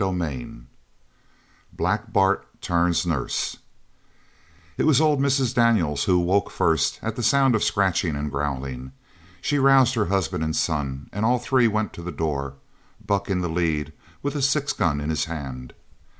CHAPTER XXVI BLACK BART TURNS NURSE It was old Mrs. Daniels who woke first at the sound of scratching and growling. She roused her husband and son, and all three went to the door, Buck in the lead with his six gun in his hand.